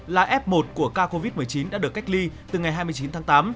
là f một của ca covid một mươi chín đã được cách ly từ ngày hai mươi chín tháng tám